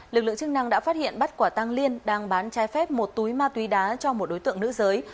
lực lượng chức năng đã phát hiện bắt quả tăng liên đang bán trái phép một túi ma túy đá cho một đối tượng nữ giới